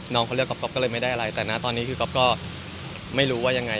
น้องเขาเลือกก๊อปก็เลยไม่ได้อะไรแต่นะตอนนี้คือก๊อฟก็ไม่รู้ว่ายังไง